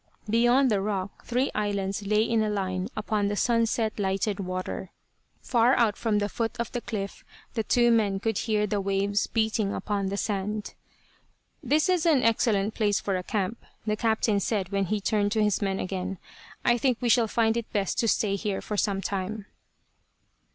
Beyond the rock three islands lay in a line upon the sunset lighted water. Far out from the foot of the cliff the two men could hear the waves beating upon the sand. "This is an excellent place for a camp," the captain said when he turned to his men again. "I think we shall find it best to stay here for some time."